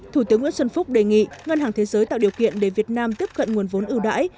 thủ tướng nguyễn xuân phúc đề nghị ngân hàng thế giới tạo điều kiện để việt nam tiếp cận nguồn vốn ưu đãi